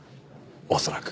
恐らく。